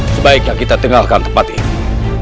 sebaiknya kita tinggalkan tempat ini